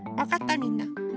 みんな。